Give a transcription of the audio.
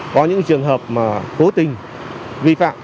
có những trường hợp mà cố tình vi phạm